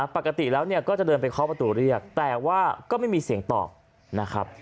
ปกติแล้วก็จะเดินไปเคาะประตูเรียกแต่ว่าก็ไม่มีเสียงตอบนะครับ